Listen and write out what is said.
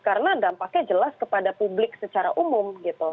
karena dampaknya jelas kepada publik secara umum gitu